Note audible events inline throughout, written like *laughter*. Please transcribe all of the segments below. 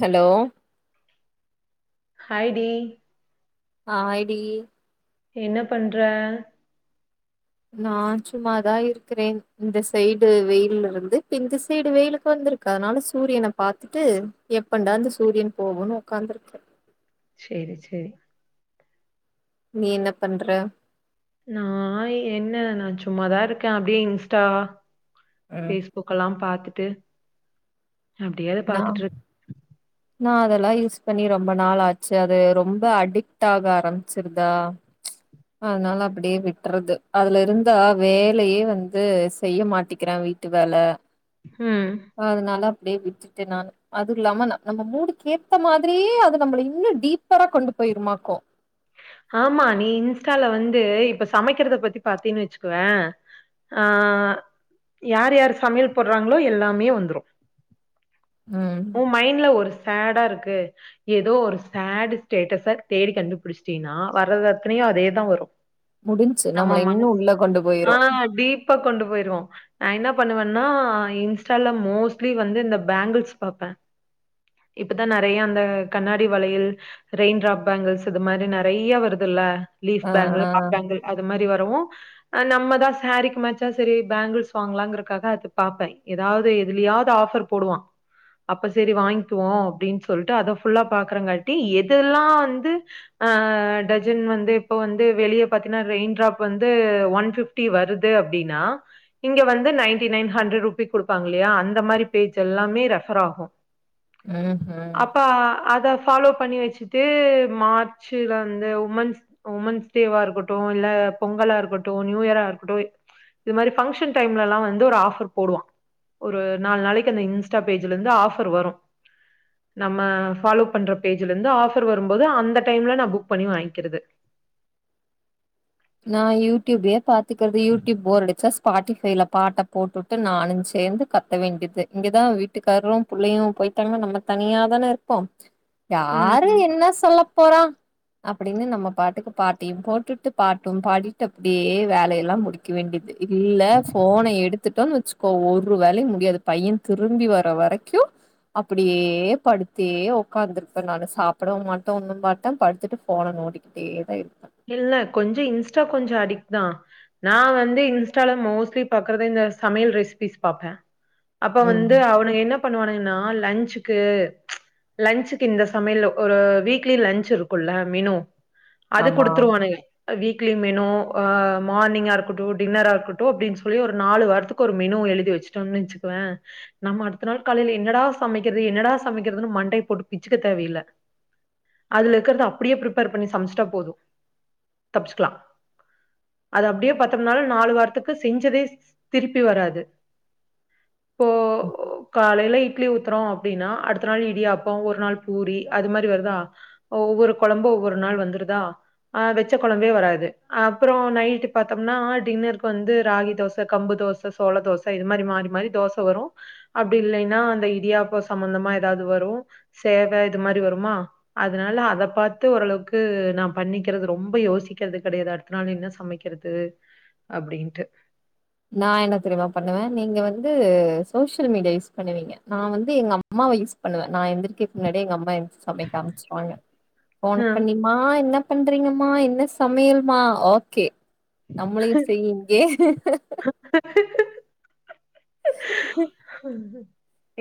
Hello ஹாய்டி ஆ ஹாய்டி என்ன பண்ற நா சும்மாதா இருக்கிறேன் இந்த சைடு வெயில இருந்து இப்ப இந்த சைடு வெயிலுக்கு வந்திருக் க அதனால சூரியன பாத்துட்டு எப்படா இந்த சூரியன் போகுன்னு உக்காந்துருக்கே செரி செரி நீ என்ன பண்ற நா என்ன நா சும்மாதா இருக்கே அப்டியே இன்ஸ்டா ஃபேஸ் புக்கல்லா பாத்துட்டு அப்டியே அத நா பாத்துட்டுரு நா அதெல்லா யூஸ் பண்ணி ரொம்ப நாள் ஆச்சு அது ரொம்ப அடீக்ட்டாக ஆரம்பிச்சிருதா அதனால அப்டியே விட்றது அதுல இருந்தா வேலயே வந்து செய்ய மாட்டிக்கிறே வீட் ட்டு வேல ம் அதனால அப்டியே விட்டுட்டே நானு அதும் இல்லாம நா நம்ம மூடுக்கு ஏத்த மாதிரியே அது நம்மள இன்னு டீப்பரா கொண்டு போயிருமாக்கு ஆமா நீ இன்ஸ்டால வந்து இப்ப சமைக்கிறத பத்தி பாத்தேன்னு வச்சுக்குவே ஆ யார் யார் சமையல் போடுறாங்களோ எல்லாமே வந்துரு ம் ஓ மைண்ட்ல ஒரு சேடா இருக்கு எதோ ஒரு சேடு ஸ்டேட்டஸ தேடி கண்டுபுடிச் ட்டீன்னா வர்றது அத்தனையு அதேதா வரு முடிஞ்ச்சு. நம்மோ நம்மள இன்னும் மனஸ் உள்ள கொண்டு ஆ போயிரும். டீப்பா கொண்டு போய்ருவோ நா என்ன பண்ணுவன்னா இன்ஸ்டால மோஸ்ட்லி வந்து இந்த பேங்கிள்ஸ் பாப்பே இப்பதா நெறைய அந்த கண்ணாடி வளையல் ரெயின்ட்ராப் பேங்கில்ஸ் இது மாரி நெ றையா வருதுல்ல லீஃப் ஆ, பேங்கிள் ஆ. ஆப் பேங்கிள் அது மாரி வரவு அ நம்மதா சேரீக் மேச்சா செரி பேங்கிள்ஸ் வாங்லாங்றக்காக அது பாப்பே எதாவ்து எதுலியாவ்து ஆஃபர் போடுவா அப்ப சரி வாங்கிக்குவோ அப்டின்னு சொல்ட்டு அத ஃபுல்லா பாக்குறங்காட்டி எதெல்லா வந்து ஆ அ அ அ டஜன் வந்து இப்ப வந்து வெளிய பாத்தீங்ன்னா ரெயின்ட்ராப் வந்து ஒன் ஃபிப்டி வருது அப்டின்னா இங்க வந்து நைன்டி நைன் ஹன்ட்ரட் ருப்பிஸ் குடுப்பாங்க இல்லியா அந்த மாரி பேஜ் எல்லாமே ரெஃபர் ஆகு ம்ஹ்ம். அப்பா அத ஃபாலோ பண்ணி வச்சுட்டு மார் ச்சுல வந்து உமன்ஸ் உமன்ஸ் டேவா இருக்கட்டு இல்ல பொங்கலா இருக்கட்டு நியூ இயரா இருக்கட்டு இது மாரி ஃபங்க்ஷன் டைம்லலா வந்து ஒரு ஆஃபர் போடுவா ஒரு நால் நாளைக்கி அந்த இன்ஸ்டா பேஜ்ல இருந்து ஆஃபர் வரு நம்ம ஃபாலோ பண்ற பேஜ்ல இந்து ஆஃபர் வரும்போது அந்த டைம்ல நா புக் பண்ணி வாங்கிக்றது நா யூடியூபே பாத்துக்கறது யூடியூப் போரடிச்சா பாட்டி ஃபைவ்ல பாட்ட போட்டுவுட்டு நானுஞ் சேந்து கத்த வேண்டிது இங்க தா வீட்டுக்கார்ரும் புள்ளயு போய்ட்டாங்ன்னா நம்ம தனியா தான இர்போ *inaudible* யாரு ம். என்ன சொல்ல போறா அப்டின்னு நம்ம பாட்டுக்கு பாட்டயு போட்டுட்டு பாட்டும் பாடிட்டு அப்டியே வேலயெல்லா முடிக்க வேண்டிது இல்ல ஃபோன எடுத்துட்டோன் வெச் க்கோ ஒரு வேலயு முடியாது பையன் திரும்பி வர வரைக்கு அப்டியே படுத்தே ஒக்காந்துருப்பே நானு சாப்டவும் மாட்டே ஒன்னும் மாட்டே படுத்துட்டு போன நோன்டி ட்டேதா இருப்பே இல்ல கொஞ்சோ இன்ஸ்டா கொஞ்சோ அடிக்ட் தா நா வந்து இன்ஸ்ட்டால மோஸ்ட்லி பாக்றது இந்த சமயல் ரெசிபிஸ் பாப்பே அப்ப ம் வந்து அவனுக என்ன பண்ணுவானுகன்னா லஞ்சுக்கு லன்சுக்கு இந்த சமையல்ல ஒரு வீக்லி லன்ச் இருக்குல்ல மெனு அது ஆமா குடுத் டுவே வீக்லி மெனு அ மார்னிங்கா இருக்ட்டு டின்னரா இருக்ட்டு அப்டின் சொல்லி ஒரு நாலு வார்த்துக் கு ஒரு மெனு எழுதி வச்சுட்டோன் வச்சுக்கவே நம்ம அடுத்த நாள் காலைல என்னடா சமைக்கிறது என்னடா சமைக்கிறதுனு மண்டைய போட்டுட்டு பிச்சுக்க தேவையில்ல அதுல இருக்கறத அப்டியே ப்ரிப்பேர் பண்ணி சமைச்சிட்டா போது தப்ச்சுக்லா அது அப்டியே பாத்தம் நாளு நாலு வாரத்துக்கு செஞ்சதே சி திருப்பி வராது இப்போ காலைல இட் இட்லி ஊத்றோ அப்டின்னா அடுத்த நாள் இடியாப்போ ஒரு நாள் பூரி அது மாரி வருதா ஒவ்வொரு கொழம்பு ஒவ்வொரு நாள் வந்துருதா ஆ வெச்ச குழம்பே வராது அப்றோ நைட் பாத்தம்னா டின்னருக்கு வந்து ராகி தோச கம்பு தோ ச சோள தோச இது மாரி மாரி மாரி தோச வரு அப்டி இல்லைன்னா அந்த இடியாப்ப சம்பந்தமா ஏதாது வரு சேவ இது மாரி வருமா அதனால அத பாத்து ஓரளவுக்கு நா பண்ணி க்கிறது ரொம்ப யோசிக்கிறது கெடையாது அடுத்த நாள் என்ன சமைக்கிறது அப்டின்ட்டு நா என்ன தெரிமா பண்ணுவே நீங்க வந்து சோசியல் மீடியா யூஸ் பண்ணுவீங்க நான் வந்து எங்க அம்மாவ யூஸ் பண்ணுவே நா எந்திர்கக்கு முன்னாடியே எங்கம்மா என்திருச்சு சமைக்க ஆரம்பிச்சிருவாங்க ஃபோன பண்ணி மா என்ன பண்றீங்கமா என்ன சமையல்மா ஓக்கே நம்மளையு செய் இங்கே *unintelligible*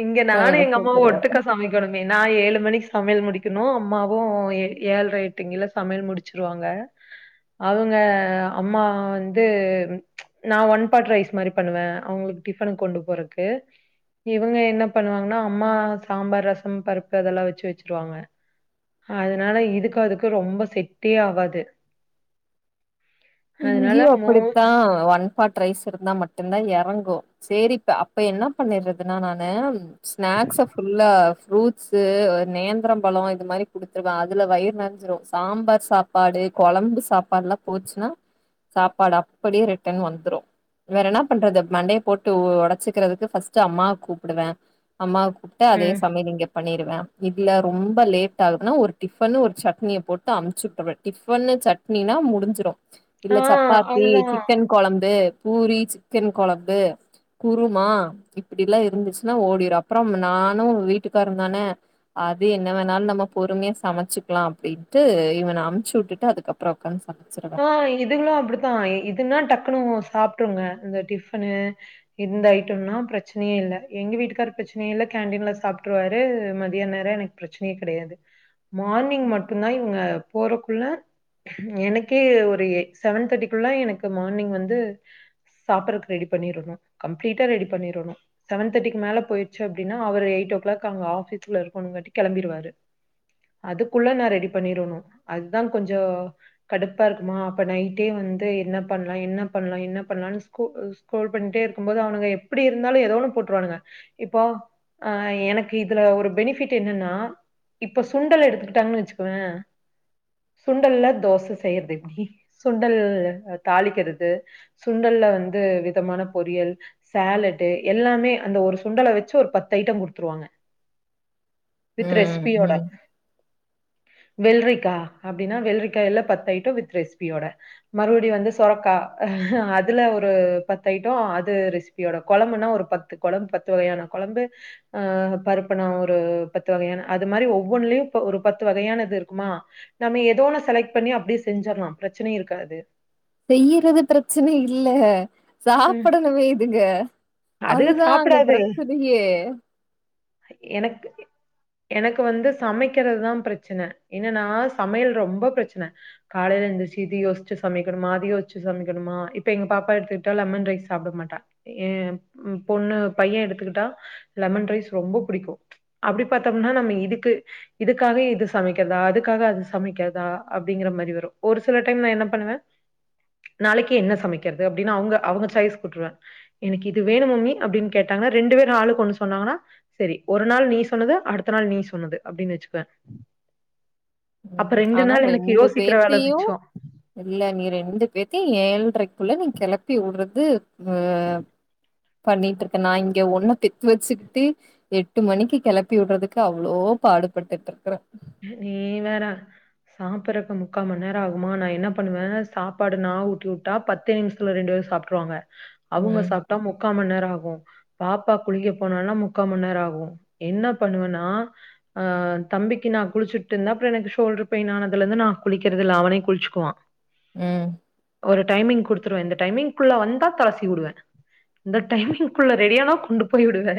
இங்க நானு சமையல எங்க அம்மாவு சூப்பர் ஒட்டுக்கா சமை க்கணுமே நா ஏழு மணிக்கு சமையல் முடிக்கணு அம்மாவு ஏ ஏழ்ற எட்டுங்கில சமையல் முடு ச்சுருவாங்க அவுங்க அம்மா வந்து நா ஒன் பாட் ரைஸ் மாரி பண்ணுவே அவுங்களுக்கு டிஃபனுக்கு கொண்டு போறக்கு இவங்க என்ன பண்ணுவாங்ன்னா அம்மா சாம்பார் ரசம் பருப்பு அதெல்லா வச்சு வச்சிருவாங்க அதனால இதுக்கு அதுக்கு ரொம்ப செட்டே ஆவாது அதனால இங்கயு மோ அப்படித்தா ஒன் பாட் ரைஸ் இருந்தா மட்டுந்தா எறங்கு செரிப்ப அப்ப என்ன பண்ணிர்றதுன்னா நானு ஸ்நாக்ஸ ஃபுல்லா ஃப்ரூட்ஸு நேந்திரம் பழோ இது மாரி குடுத் ருவே அதுல வயிறு நெறஞ்சிரு சாம்பார் சாப்பாடு கொழம்பு சாப்பாடுல்லா போச்சுனா சாப்பாடு அப்டியே ரிட்டன் வந்துடு வேற என்னா பண்றது மண்டைய போட்டு ஒடைச்சுக்கிறதுக்கு ஃபஸ்ட்டு அம்மாவ் கூப்டுவே அம்மாவ் ட்டா அதே ம். சமையல் இங்க பண்ணிருவே இல்ல ரொம்ப லேட் ஆகுதுனா ஒரு டிஃபனு ஒரு சட்னிய போட்டு அமுச்சு வுட்டுறது டிஃபனு சட் ட்னினா முடிஞ்சிரு ஆ இல்ல சப்பாத்தி அதுதான். சிக்கன் கொழம்பு பூரி சிக்கன் கொழம்பு குருமா இப்படிலா இருந்துச்சுன்னா ஓடிடு அப்புறோ நானு வீட்டுக்காருதான அது என்ன வேணாலு நம்ம பொறுமையா சமைச்சுக்கலா அப்டின்ட்டு இவன அனுப்ச்சிவுட்டுட்டு அதுக்கப் அப்பறோ உட்கார்ந்து சமைச்சிருவ ஆ இதுகளு அப்படித்தா இதுன்னா டக்குனு சாப்பிட்ருங்க அந்த டிஃபனு இந்த ஐட்டம்னா பிரச்சனே இல்ல எங்க வீட்டுக்காரு பிரச்சனையு இல்ல கேண்டடீன்ல சாப்ட்டுருவாரு மதிய நேர எனக் பிரச்சனையே கெடையாது மார்னிங் மட்டும்தா இவுங்க போறக்குள்ள ம் எனக் ஓகே ஒரு செவன் தேர்ட்டிக்குள்ள எனக்கு மார்னிங் வந்து சாப்பற்க் ரெடி பண்ணிருவே கம்ப்ளீட்டா ரெடி பண்ணரனு செவன் தேர்ட்டிக் மேல போய்ச்சி அப்டின்னா அவரு எயிட்ஓ க்ளாக் அங்க ஆபீஸ்ல ருக்கணோங்காட்டிக் கெளம்பிருவாரு அதுக்குள்ள நா ரெடி பண்ணிரணு அதா கொஞ்சோ கடுப்பா இருக்குமா அப்ப நைட்டே வந்து என்ன பண்லா என்ன பண்லா என்ன பண்லாம்னு ஸ்கூ ஸ்கிரோல் பண்ணிட்டே இருக்குபோது அவனுங்க எப்படி இருந்தாலு ஏதோ ஒன்னு போட்டுருவானுங்க இப்போ அ எனக்கு இதுல ஒரு பெனிஃபிட் என்னன்னா இப்ப சுண்டல் எடுத்துகுட்டாங்கன்னு வச்சுக்கோவே சுண்டல்ல தோச செய்றது எப்டி சுண்டல் தாளிக்கிறது சுண்டல்ல வந்து விதமான பொரியல் சேலட்டு எல்லாமே அந்த ஒரு சுண்டல வச்சு ஒரு பத்து ஐட்டம் குடுத்ருவாங்க வித் ம் ரெச்பியோட ம் வெல்ரிக்கா அப்டின்னா வெல்ரிக்காய்ல பத் ட்டோ வித் ரெசிபியோட மறுவடி வந்து சொரக்கா அதுல ஒரு பத்து ஐட்டோ அது ரெசிப் பியோட கொழம்புனா ஒரு பத்து கொழம்பு பத்து வகையான கொழம்பு அ பருப்புண ஒரு பத்து வகையான அது மாரி ஒவ்வொன்னுலயு ஒரு பத்து வகையானது இருக்குமா நம்ம ஏதோன்ன செலக்ட் பண்ணி அப்டியே செஞ்சிடலா பிரச்சனையே இருக்காது செய்யுறது பிரச்சனை இல்ல ம். சாப்டனு இதுங்க அது அதுதா அங்க சாப்பிடாது. பிரச்சனயே எனக்கு இப் எனக்கு வந்து சமைக்கிறதுதா பிரச்சன என்னன்னா சமையல் ரொம்ப பிரச்சன காலைல எந்திருச்சு இது யோஷ்ச்சு சமைக்கணுமா அது யோஷ்ச்சு சமைக்கணுமா இப்ப எங்க பாப்பா எடுத்து விட்டா லெமன் ரைஸ் சாப்பிட மாட்டா ஏ பொண்ணு பையன் எடுத்துக்கிட்டா லெமன் ரைஸ் ரொம்ப பிடிக்கு அப்டி பாத்தோம்னா நம்ம இதுக்கு இதுக்காக இது சமக்கிறதா அதுக்காக இது சமக்கிறதா அப்டிங்கிற மாரி வரு ஒரு சில டைம் நா என்ன பண்ணுவே நாளைக்கு என்ன சமைக்கிறது அப்டின்னு அவுங்க அவுங்க சாய்ஸ் குடுதுருவே எனக்கு இது வேணு மம்மி அப்டின்னு கேட்டாங்கன ரெண்டு பேர் ஆளு கொண்ணு சொன்னாங்கன்னா சரி ஒரு நாள் நீ சொன்னது அடுத்த நாள் நீ சொன்னது அப்டின்னு வச்சுப்பே அப்ப ம் ரெண்டு ஆனா நாள் எனக்கு யோசிக்கிர வேல மிச்சோ இல்லா நீ ரெண்டு பேத்தயு ஏழ்ரைக்குள்ள நீ கெளப்பி உடுறது அ பண்ணிட்டு இருக்கே நா இங்க ஒன்னு பெத்து வச்சுட்டு எட்டு மணிக்கு கெளப்பி விட்றதுக்கு அவ்வளோ பாடுபட்டுட்டு இருக்குறே நீ வேற சாப்பறக்கு முக்கா மண் நரோ ஆகுமா நா என்ன பண்ணுவ சாப்பாடு நா ஊட்டி உட்டா பத் தே நிமிஷத்துல ரெண்டு பேரு சாப்ட்ருவாங்க அவங்க ம், சாப்ட்டா முக்கா மண் நேரோ ஆகு பாப்பா குளிக்க போனனா முக்கா மன்நேரோ ஆகு என்ன பண்ணுவன்னா ஆ தம்பிக் கி நா குளிச்சுட் இருந்த அப்றோ எனக்கு ஷோல்டர் பெய்ன் ஆனதுலர்து நா குளிக்கிறது இல்ல அவனே குளிச்சுக்குவா ம் ஒரு டைமிங் குடுத்துருவ இந்த டைமிங்க்குள்ள வந்தா தல சீவி உடுவே இந்த டைமிங்குள்ள ரெடியானா கொண்டு போய்விடுவ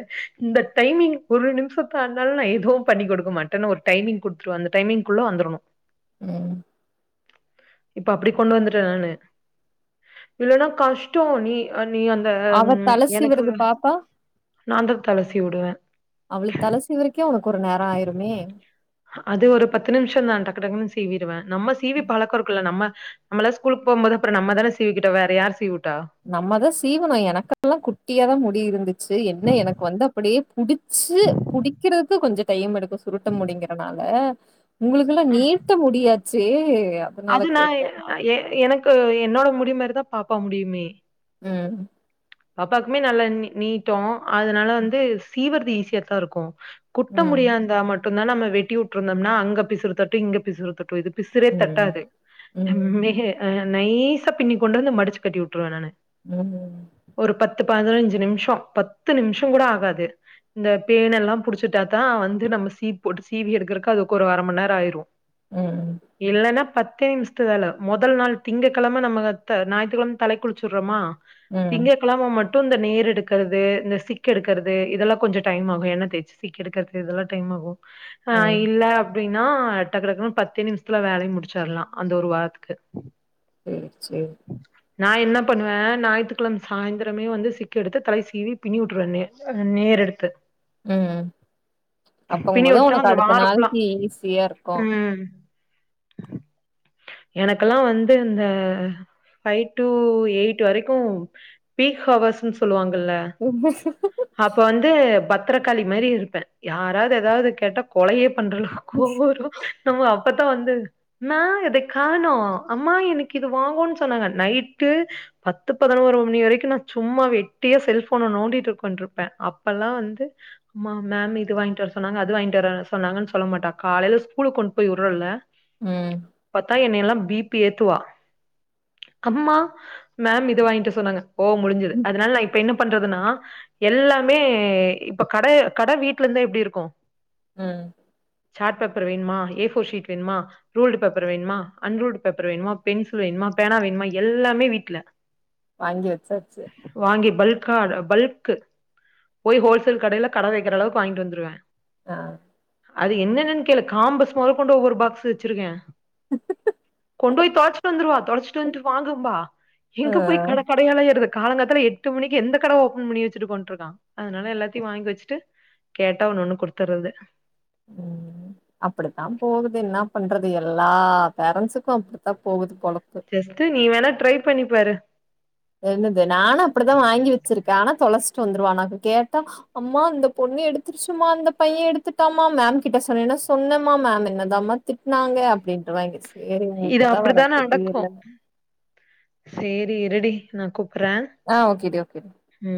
இந்த டைமிங் ஒரு நிமிஷோ ஆனாலு நா எதுவு பண்ணி குடுக்க மாட்டன் ஒரு டைமிங் குடுத்துருவ அந்த டைமிங்குள்ள வந்துரணு ம் இப்ப அப்டி கொண்டு வந்துட்ட நானு இல்லன்னா கஷ்டோ நீ நீ வந் இந்த அவ தல எனக்கு சீவுறது பாப்பா, நாந்தா தல சீவி உடுவ அவளுக்கு தலசீவருக்கே உனக்கு ஒரு நேரோ ஆய்ருமே அது ஒரு பத்து நிமிஷந் தா டக்கு டக்குன்னு சீவிடுவ நம்ம சீவி பழக்கோ இருக்குல்ல நம்ம நம்மளா ஸ்கூல் போம்போது அப்புறோ நம்மதான சீவிகிட்டோ வேறயாரு சீவுட்டா நம்மதா சீவனோ எனக்கல்லா குட்டியாதா முடி இருந்துச்சி என்ன எனக்கு வந்து அப்படியே புடிச் ச்சி புடிக்கிறக்கு கொஞ்சோ டைம் எடுக்கு சுருட்ட முடிங்குறனால உங்களுக்குல்லா நீட்ட முடியாச்சே அதனால அது நா கேட்டேன். எ எனக்கு என்னோட முடி மாரிதா பாப்பா முடியுமே ம் பாப்பாக்குமே நல்லா நீ நீட்டோ அதனால வந்து சீவற்து ஈஸியா தா இருக்கு குட்ட ம், முடியாந்தா மட்டுந்தா நம்ம வெட்டி உட்ருந்தம்னா அங்க பிசுருத்தட்டு இங்க பிசுருத்தட்டு இது பிசிறே ம், தட்டாது ம், ம், மே அ நைசா பின்னி கொண்டு வந்து மடிச்சு கட்டி விட்ருவே நானு ம் ஒரு பத்து பதினைஞ்சு நிமிஷோ பத்து நிமிஷங் கூட ஆகாது இந்த பேன் எல்லா புடிச்சிட்டாதா வந்து நம்ம சீப் போட்டு சீவி எடுக்கறக்கு அதுக்கு ஒரு அர மண் நேரோ ஆயிரு ம், இல்லன்னா பத்தே நிமிஷத் த்துவேல முதல் நாள் திங்கக்கெழம நம்ம ஞாயித்துக்கெழம நம்ம தலைக்கு குளிச்சுறோமா திங்க ம். கெழம மட்டு இந்த நேர் எடுக்கறது இந்த சிக் எடுக்குறது இதெல்லா கொஞ்சோ டைம் ஆகு என்ன தேச்சு சிக்கு எடுக்கறது இதெல்லா டைம் ஆகு ஆ ம். இல்ல அப்டின்னா டக்கு டக்குன்னு பத்தே நிமிஷத்துல வேலைய முடிச்சிர்லா அந்த ஒரு வாரத்துக்கு சேர் சேரி நா என்ன பண்ணுவ ஞாய்த்து கெழம சாய்ந்திரமே வந்து சிக்கெடுத்து தலைய சீவி பின்னி உட்ருவே நெ நேர் எடுத்து ம் பின்னி அப்பங்கும்போது உட்டா உனக்கு அந்த அடுத்த வாரோ ஃபுல்லா நாளைக்கு ஈஸியா இருக்கு ம் *unintelligible* எனக்கெல்லா வந்து இந்த பைவ் டூ எய்ட் வரைக்கு பீக் ஹவர்ஸ்சுன் சொல்லுவாங்கல்ல *unintelligible* து பத்ரகாளி மாரி இருப்ப யாராவது ஏதாவது கேட்டா கொலையே பண்றலா கோவொரு நம்ம அப்பத்தா வந்து மா இத காணோ அம்மா எனக்கு இது வாங்குன் சொன்னாங்க நைட்டு பத்து பதுனோறு மணி வரைக்கு நா சும்மா வெட்டியா செல்ஃபோன நோண்டிட்டு உக்கான்ட்டு இருப்ப அப்பெல்லா வந்து அம்மா மேம் இது வாங்கிட்வர சொன்னாங்க அது வாங்கிட்வர சொன்னாங்கன் சொல்ல மாட்டா காலைல ஸ்கூலுக்கு கொண்டு போய் வுட்றோல ம் பாத்தா என்னெயெல்லா பி பி ஏத்துவா அம்மா மேம் இத வாங்ட்வர் சொன்னாங்க ஓ முடிஞ்சுது அதனால நா இப்ப என்ன பண்றதுன்னா எல்லாமே இப்ப கட கட வீட்ல இருந்தா எப்டி இருக்கு ம் சாட் பேப்பர் வேண்மா ஏஃபோர் ஷீட் வேண்மா ரூல்டு பேப்பர் வேண்மா அன்ரூல்டு பேப்பர் வேண்மா பென்சில் வேண்மா பேனா வேண்மா எல்லாமே வீட்ல வாங்கி வெச்சாச்சு வாங்கி பல்கா பல்க்கு போய் ஹோல்சேல் கடைல கடை வெக்கிற அளவுக்கு வாய்ங்ட்டு வந்துருவே ஆ அது என்னென்னன் கேளு காம்பஸ் மொதல்கொண்டு ஒவ்வொரு பாக்ஸ் வெச்சிருக்கே கொண்டோய் தொலைச்சிட்டு வந்துருவா தொலைச்சிட்டு வந்ட்டு வாங்கும்பா ஆ எங்க போய் கட கடையெல்லா ஏறது காலங்காத்தல எட்டு மணிக்கு எந்த கட ஓபன் பண்ணி வெச்சுட்டு போன்ட்ருக்கா அதனால எல்லாத்தியு வாங்கி வெச்சிட்டு கேட்டா ஒன்னு ஒன்னு குடுத்துற்றது ம் அப்படித்தா போகுது என்னா பண்றது எல்லா பேரண்ஸுக்கு அப்டித்தா போகுது பொலப்பு ஜஸ்டு நீ வேணா ட்ரை பண்ணிப்பாரு என்னது நானு அப்படித்தா வாங்கி வெச்சிருக்கே ஆனா தொலஸ்ட்டு வந்துருவா நா கேட்டா அம்மா இந்த பொண்ணு எடுத்துருச்சுமா இந்த பைய எடுத்துட்டாமா மேம் கிட்ட சொன்னின்னா சொன்னேமா மேம் என்னதாமா திட்னாங்க அப்டின்ட்டு வாய்ங்கிச் இது அப்டித்தா நடக்கு சேரி இருடி நா கூப்பிறே ஆ ஓகேடி ஓகேடி ம்